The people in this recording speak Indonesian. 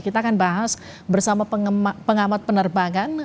kita akan bahas bersama pengamat penerbangan